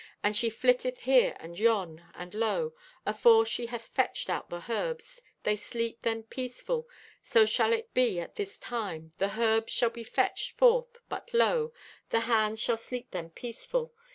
And she flitteth here and yon, and lo, afore she hath fetched out the herbs, they sleep them peaceful. So shall it be at this time. The herbs shall be fetched forth but lo, the lands shall sleep them peaceful.